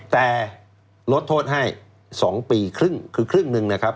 แต่ลดโทษให้๒ปีครึ่งคือครึ่งหนึ่งนะครับ